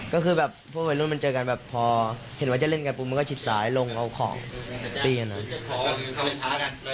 ก็คือแบบพวกวัยรุ่นมันเจอกันแบบพอเห็นว่าจะเล่นกันปุ๊บมันก็ชิดซ้ายลงเอาของตีกันนะ